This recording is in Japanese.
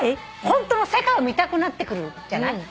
ホントの世界を見たくなってくるじゃない。